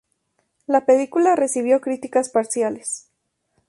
La película recibió críticas parciales.